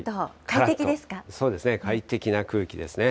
そうですね、快適な空気ですね。